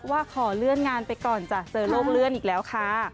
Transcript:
ว่าขอเลื่อนงานไปก่อนจ้ะเจอโลกเลื่อนอีกแล้วค่ะ